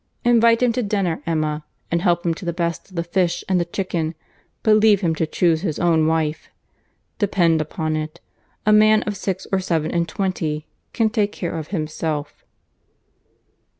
Invite him to dinner, Emma, and help him to the best of the fish and the chicken, but leave him to chuse his own wife. Depend upon it, a man of six or seven and twenty can take care of himself."